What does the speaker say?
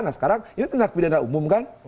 nah sekarang ini tindak pidana umum kan